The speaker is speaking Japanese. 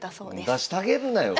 出してあげるなよ